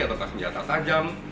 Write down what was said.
atau senjata tajam